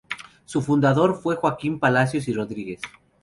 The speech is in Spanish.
Su fundador fue Joaquín Palacios y Rodríguez.